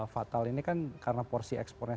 fatal ini kan karena porsi ekspornya